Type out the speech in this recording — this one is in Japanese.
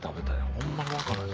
ホンマに分からん。